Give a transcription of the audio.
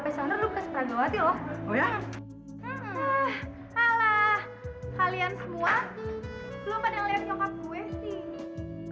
eh alah kalian semua belum pernah lihat nyokap gue sih